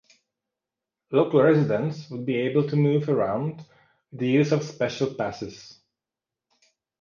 Local residents would be able to move around with the use of special passes.